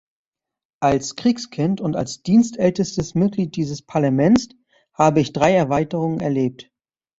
Als Kriegskind und als dienstältestes Mitglied dieses Parlaments habe ich drei Erweiterungen erlebt.